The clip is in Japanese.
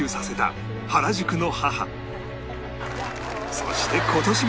そして今年も